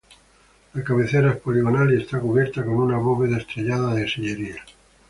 La cabecera es poligonal y está cubierta con una bóveda estrellada de sillería.